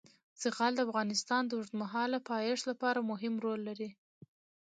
زغال د افغانستان د اوږدمهاله پایښت لپاره مهم رول لري.